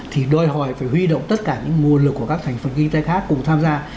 thì đòi hỏi phải huy động tất cả những nguồn lực của các thành phần kinh tế khác cùng tham gia